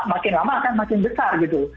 makin lama akan makin besar gitu